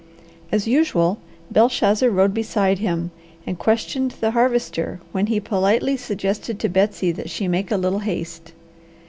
As usual, Belshazzar rode beside him and questioned the Harvester when he politely suggested to Betsy that she make a little haste.